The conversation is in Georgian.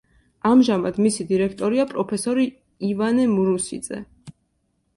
ამჟამად მისი დირექტორია პროფესორი ივანე მურუსიძე.